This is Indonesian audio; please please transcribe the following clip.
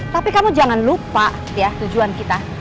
tapi kamu jangan lupa ya tujuan kita